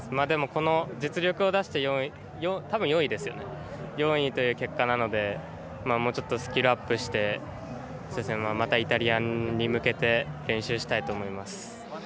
でも、この実力を出して４位という結果なのでもうちょっとスキルアップしてまたイタリアに向けて練習したいと思います。